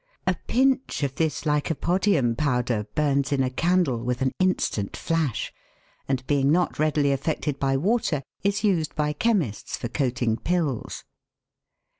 A pinch of this lycopo SPOKES AND SACS OF CLUB MOSS. 187 dium powder bums in a candle with an instant flash, and being not readily affected by water is used by chemists for coating pills.